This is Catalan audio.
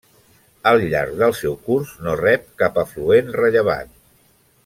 Al llarg del seu curs no rep cap afluent rellevant.